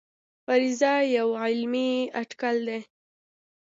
فرضیه یو علمي اټکل دی